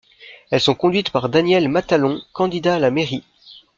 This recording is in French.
Elles sont conduites par Daniel Matalon, candidat à la mairie.